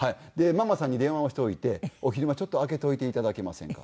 ママさんに電話をしておいて「お昼間ちょっと開けておいていただけませんか」。